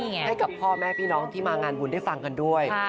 ให้กับพ่อแม่พี่น้องที่มางานบุญได้ฟังกันด้วย